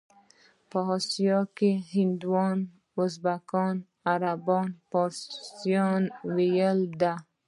په اسیا کې هندوانو، ازبکانو او عربو فارسي ویلې ده.